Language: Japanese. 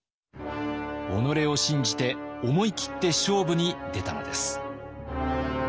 己を信じて思い切って勝負に出たのです。